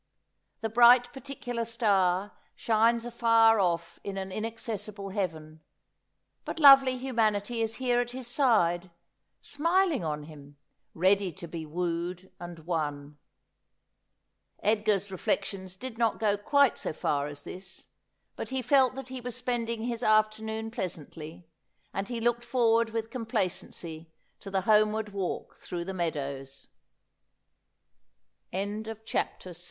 The bright particular star shines afar off in an inaccessible heaven ; but lovely hu manity is here at his side, smiling on him, ready to be wooed and won. Edgar's reflections did not go quite so far as this, but he felt that he was spending his afternoon pleasantly, and he looked forward with complacen